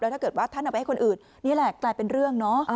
แล้วถ้าเกิดว่าท่านเอาไปให้คนอื่นนี่แหละแต่เป็นเรื่อง